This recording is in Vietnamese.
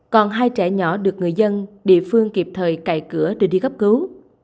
còn hai trẻ nhỏ được người dân địa phương kịp thời cài cửa để đi gấp cứu